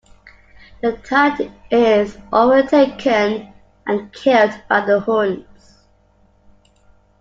The Tod is overtaken and killed by the hounds.